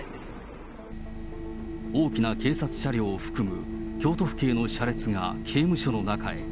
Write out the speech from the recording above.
大きな警察車両を含む、京都府警の車列が刑務所の中へ。